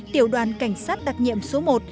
tiểu đoàn cảnh sát đặc nhiệm số một